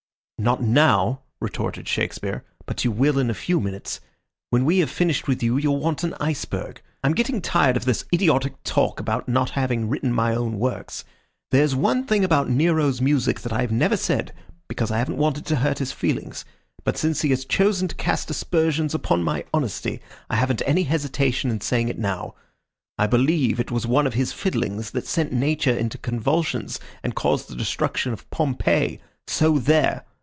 "Not now," retorted Shakespeare, "but you will in a few minutes. When we have finished with you, you'll want an iceberg. I'm getting tired of this idiotic talk about not having written my own works. There's one thing about Nero's music that I've never said, because I haven't wanted to hurt his feelings, but since he has chosen to cast aspersions upon my honesty I haven't any hesitation in saying it now. I believe it was one of his fiddlings that sent Nature into convulsions and caused the destruction of Pompeii so there!